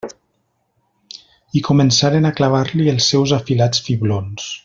I començaren a clavar-li els seus afilats fiblons.